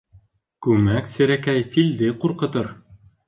Күмәк серәкәй филде ҡурҡытыр.